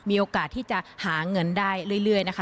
มีโอกาสที่จะหาเงินได้เรื่อยนะคะ